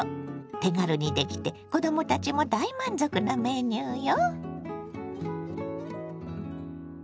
手軽にできて子どもたちも大満足なメニューよ。